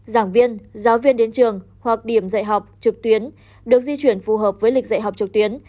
giảng viên giáo viên đến trường hoặc điểm dạy học trực tuyến được di chuyển phù hợp với lịch dạy học trực tuyến